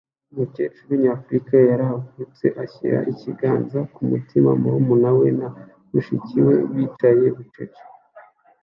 Umukecuru nyafurika yarahagurutse ashyira ikiganza ku mutima murumuna we na mushiki we bicaye bucece